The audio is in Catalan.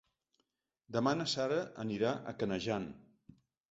Demà na Sara anirà a Canejan.